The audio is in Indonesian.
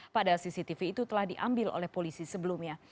pada cctv itu telah diambil oleh polisi sebelumnya